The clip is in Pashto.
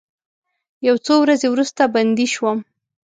یو څو ورځې وروسته بندي شوم.